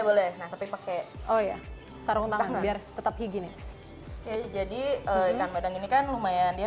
boleh boleh tapi pakai oh ya taruh tangan biar tetapi gini jadi ikan badan ini kan lumayan dia